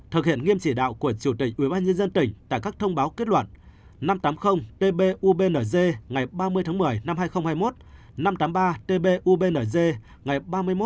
thực hiện nghiêm chỉ đạo của chủ tịch ubnd tỉnh tại các thông báo kết luận năm trăm tám mươi tpubnz ngày ba mươi một mươi hai nghìn hai mươi một năm trăm tám mươi ba tpubnz ngày ba mươi một một mươi hai nghìn hai mươi một